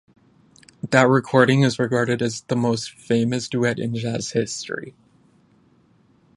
That recording is regarded as the "most famous duet in jazz history".